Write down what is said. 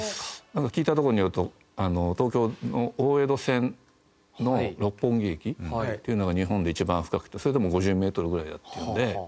なんか聞いたところによると東京の大江戸線の六本木駅っていうのが日本で一番深くてそれでも５０メートルぐらいだっていうんで。